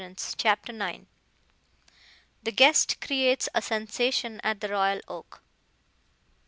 CHAPTER IX. THE GUEST CREATES A SENSATION AT THE ROYAL OAK.